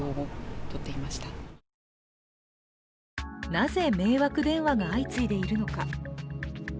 なぜ、迷惑電話が相次いでいるのか。